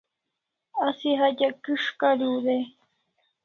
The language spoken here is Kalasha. Asi hatya kis' kariu dai e?